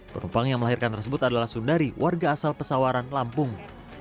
penumpang yang melahirkan tersebut adalah sundari warga asal pesawaran lampung